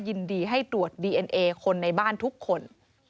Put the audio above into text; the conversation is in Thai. ยินดีให้ตรวจดีเอ็นเอคนในบ้านทุกคน